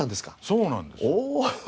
そうなんです。